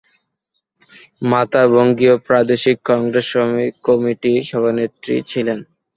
মাতা বঙ্গীয় প্রাদেশিক কংগ্রেস কমিটির সভানেত্রী ছিলেন।